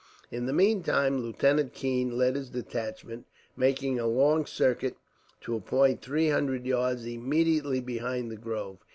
In the meantime, Lieutenant Keene led his detachment, making a long circuit, to a point three hundred yards immediately behind the grove.